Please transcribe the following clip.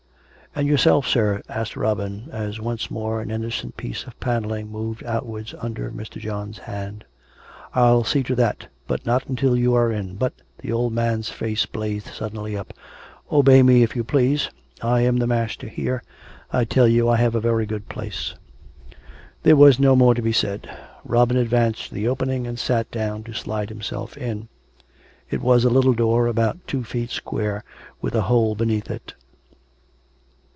"And yourself, sir?" asked Robin, as once more an innocent piece of panelling moved outwards under Mr. John's hand. " I'll see to that; but not until you are in "" But " The old man's face blazed suddenly up. " Obey me, if you please. I am the master here. I tell you I have a very good place." There was no more to be said. Robin advanced to the opening, and sat down to slide himself in. It was a little door about two feet square, with a hole beneath it.